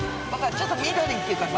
ちょっと緑っていうかさ。